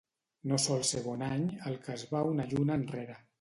No sol ser bon any el que es va una lluna enrere.